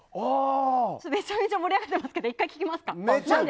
めちゃめちゃ盛り上がっていますが１回聞きますか。